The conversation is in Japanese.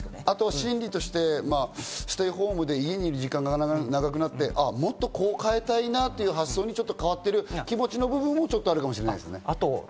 あと心理としてステイホームで家にいる時間が長くなって、もっとこう変えたいなっていう発想にちょっと変わってる気持ちの部分もあるかもしれないですね。